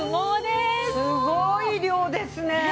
すごい量ですね。